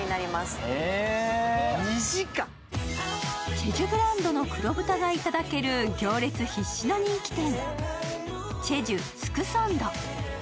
チェジュブランドの黒豚がいただける行列必至の人気店、チェジュ・スクソンド。